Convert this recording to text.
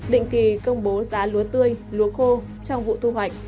định kỳ công bố giá lúa tươi lúa khô trong vụ thu hoạch